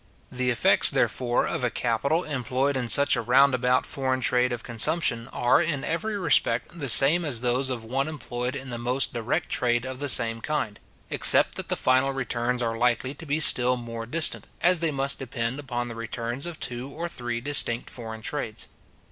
The effects, therefore, of a capital employed in such a round about foreign trade of consumption, are, in every respect, the same as those of one employed in the most direct trade of the same kind, except that the final returns are likely to be still more distant, as they must depend upon the returns of two or three distinct foreign trades.